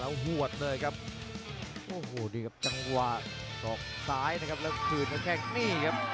เอ้าพลังออกมาขึ้นไม่ได้ครับ